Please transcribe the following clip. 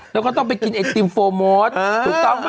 แล้วก็ต้องไปกินไอติมโฟร์โมสถูกต้องไหม